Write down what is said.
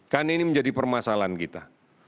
kan ini menjadi permasalahan kita